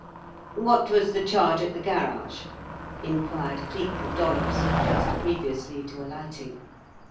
"What was the charge at the garage?" inquired Cleek of Dollops just previously to alighting.